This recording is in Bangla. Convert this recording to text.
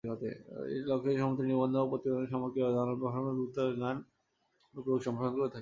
এ লক্ষ্যে সমিতি নিবন্ধ, প্রতিবেদন, সাময়িকী ও জার্নাল প্রকাশনার মাধ্যমে ভূতত্ত্বের জ্ঞান ও প্রয়োগ সম্প্রসারণ করে থাকে।